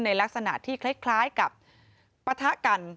ในลักษณะที่คล้ายกับปะทะกัน